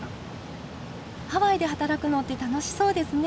ハワイで働くのって楽しそうですね。